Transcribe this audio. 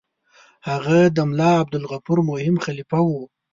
هغه د ملا عبدالغفور مهم خلیفه وو.